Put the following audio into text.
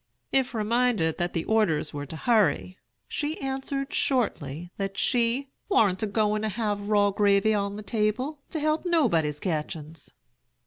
If reminded that the orders were to hurry, she answered shortly that she 'warn't a going to have raw gravy on the table, to help nobody's catchin's.'